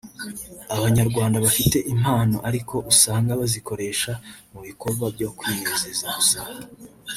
Abanyarwanda bafite impano ariko usanga bazikoresha mu bikorwa byo kwinezeza gusa